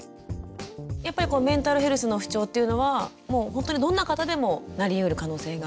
やっぱりこのメンタルヘルスの不調っていうのはもうほんとにどんな方でもなりうる可能性がある？